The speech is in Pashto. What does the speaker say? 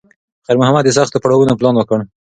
خیر محمد د سختو پړاوونو پلان وکړ.